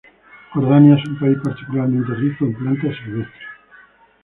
Jordania es un país particularmente rico en plantas silvestres.